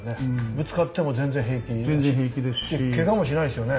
ぶつかっても全然平気だしケガもしないですよね。